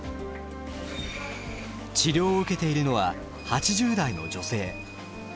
治療を受けているのは８０代の女性。